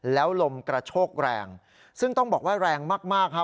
แล้วลมกระโชกแรงซึ่งต้องบอกว่าแรงมากฮะ